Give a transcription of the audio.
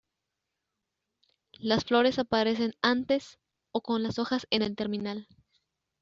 Las flores aparecen antes o con las hojas en el terminal.